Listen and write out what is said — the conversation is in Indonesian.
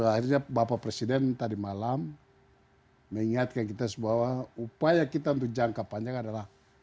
akhirnya bapak presiden tadi malam mengingatkan kita bahwa upaya kita untuk jangka panjang adalah